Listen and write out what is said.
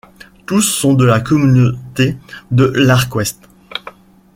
Tous sont de la communauté de l'Arcouest.